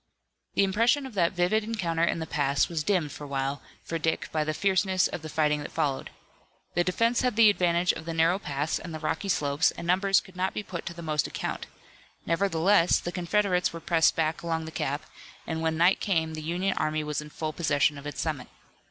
The impression of that vivid encounter in the pass was dimmed for a while for Dick by the fierceness of the fighting that followed. The defense had the advantage of the narrow pass and the rocky slopes, and numbers could not be put to the most account. Nevertheless, the Confederates were pressed back along the gap, and when night came the Union army was in full possession of its summit.